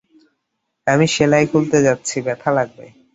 আমি সেলাই খুলতে যাচ্ছি, ব্যাথা লাগবে।